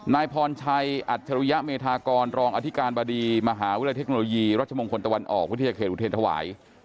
นายพรชัยอัจฉริยเมธากรรองอธิการบดีมหาวิทยาลัยเทคโนโลยีรัชมงคลตะวันออกวิทยาเขตอุเทรธวาย